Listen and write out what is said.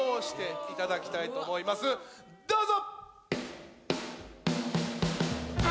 どうぞ。